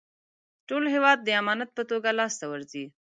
ټول هېواد د امانت په توګه لاسته ورځي.